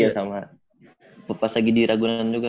iya sama pas lagi di ragunan juga